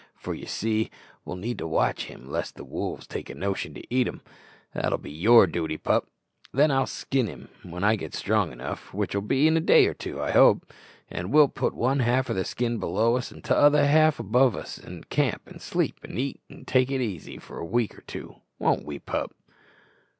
For, ye see, we'll need to watch him lest the wolves take a notion to eat him that'll be your duty, pup. Then I'll skin him when I get strong enough, which'll be in a day or two, I hope, and we'll put one half of the skin below us and t'other half above us i' the camp, an' sleep, an' eat, an' take it easy for a week or two won't we, pup?"